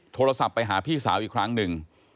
โทรศัพท์ไปหาพี่สาวอีกครั้งหนึ่ง